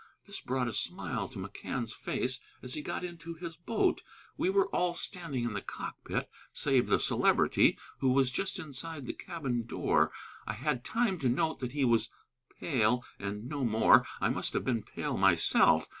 This brought a smile to McCann's face as he got into his boat. We were all standing in the cockpit, save the Celebrity, who was just inside of the cabin door. I had time to note that he was pale, and no more: I must have been pale myself.